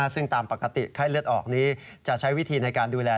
ซึ่งตามปกติไข้เลือดออกนี้จะใช้วิธีในการดูแล